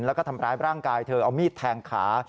แล้วก็ทำร้ายร่างกายเธอเอามีดแทงขา